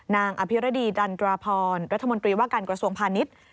อภิรดีดันตราพรรัฐมนตรีว่าการกระทรวงพาณิชย์